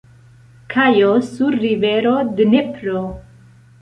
Kajo sur rivero Dnepro.